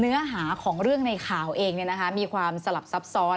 เนื้อหาของเรื่องในข่าวเองมีความสลับซับซ้อน